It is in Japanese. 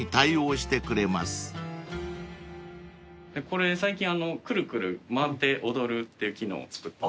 これ最近くるくる回って踊るっていう機能を作ったんです。